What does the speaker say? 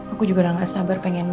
aku juga udah gak sabar pengen